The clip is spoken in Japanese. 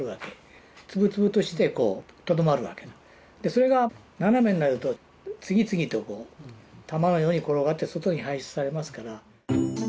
それが斜めになると次々と玉のように転がって外に排出されますから。